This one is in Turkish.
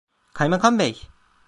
Kaymakam bey…